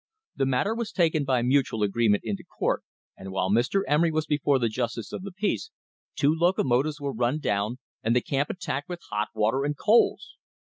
The matter was taken by mutual agreement into court, and while Mr. Emery was before the justice of the peace, two locomotives were run down and the camp attacked with hot water and coals!